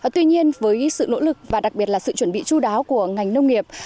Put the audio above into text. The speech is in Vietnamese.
tuy nhiên với sự nỗ lực và đặc biệt là sự chuẩn bị chú đáo của ngành nông nghiệp